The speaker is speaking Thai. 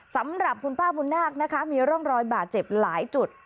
สำหรับคุณป้าบุญนาคนะคะมีร่องรอยบาดเจ็บหลายจุด